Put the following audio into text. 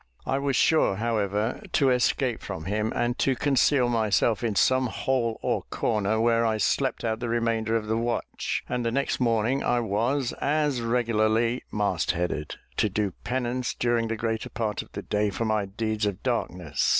I was sure, however, to escape from him, and to conceal myself in some hole or corner, where I slept out the remainder of the watch; and the next morning, I was, as regularly, mast headed, to do penance during the greater part of the day for my deeds of darkness.